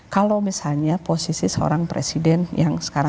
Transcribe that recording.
kalau misalnya posisi seorang presiden yang sekarang